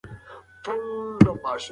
رحیم ولې په پاڼه باندې غوسه شو؟